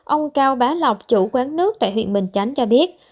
ông cao bá lộc chủ quán nước tại huyện bình chánh cho biết